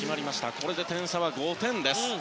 これで点差は５点。